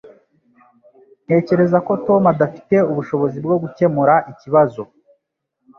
Ntekereza ko Tom adafite ubushobozi bwo gukemura ikibazo